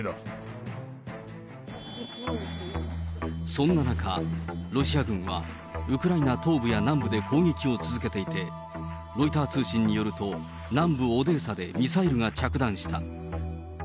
そんな中、ロシア軍はウクライナ東部や南部で攻撃を続けていて、ロイター通信によると、南部オデーサでミサイルが着弾した。